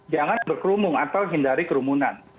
jangan berkerumung atau hindari kerumunan